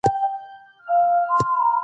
مطالعه باید یوازې د ازموینې لپاره نه وي.